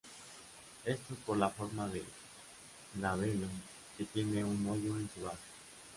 Esto es por la forma del labelo que tiene un hoyo en su base.